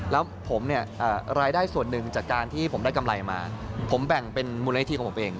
แล้วผมเนี่ยรายได้ส่วนหนึ่งจากการที่ผมได้กำไรมาผมแบ่งเป็นมูลนิธิของผมเอง